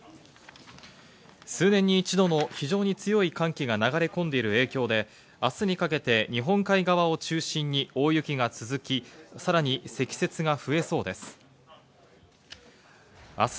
数年に一度の非常に強い寒気が流れ込んでいる影響で明日にかけて日本海側を中心に大雪が続き、さらに積雪が増えそうです。